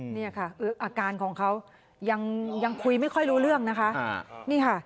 นี่ค่ะอาการของเขายังคุยไม่ค่อยรู้เรื่องนะคะนี่ค่ะ